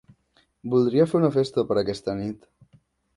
Voldria fer una festa per aquesta nit.